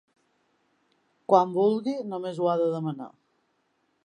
Quan vulgui només ho ha de demanar.